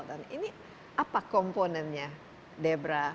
dan ini apa komponennya debra